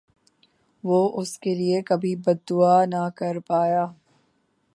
وُہ اس لئے کہ کبھی بد دُعا نہ کر پایا